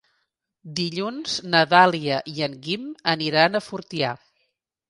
Dilluns na Dàlia i en Guim aniran a Fortià.